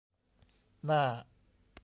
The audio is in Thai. หน้า